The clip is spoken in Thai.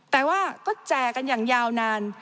แต่ว่าก็แจกกันอย่างยาวนาน